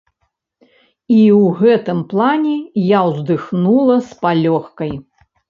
І ў гэтым плане я ўздыхнула з палёгкай.